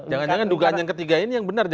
jangan jangan dugaan yang ketiga ini yang benar